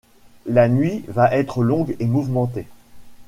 La nuit va être longue et mouvementée.